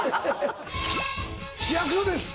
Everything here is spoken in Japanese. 市役所です。